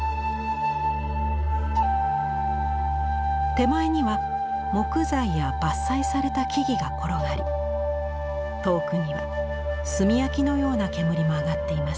手前には木材や伐採された木々が転がり遠くには炭焼きのような煙も上がっています。